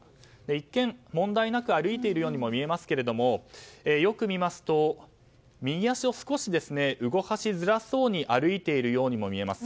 一見、問題なく歩いているように見えますけどよく見ますと右足を少し動かしづらそうに歩いているようにも見えます。